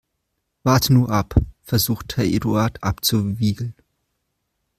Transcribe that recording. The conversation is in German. Warte nur ab, versucht Herr Eduard abzuwiegeln.